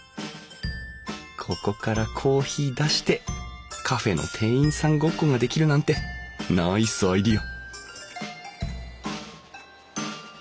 ここからコーヒー出してカフェの店員さんごっこができるなんてナイスアイデア！